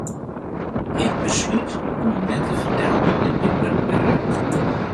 Ik beslút om him net te fertellen dat ik gjin wurk mear ha.